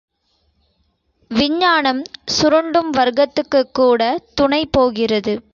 விஞ்ஞானம் சுரண்டும் வர்க்கத்துக்குக் கூட, துணை போகிறது.